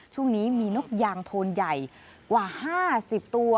ช่วงนี้มีนกยางโทนใหญ่กว่า๕๐ตัว